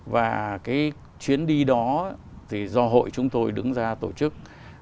và cái chuyến đi đó thì do hội chúng tôi đứng ra tổ chức